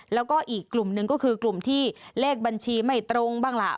แล้วก็อีกกลุ่มหนึ่งก็คือกลุ่มที่เลขบัญชีไม่ตรงบ้างล่ะ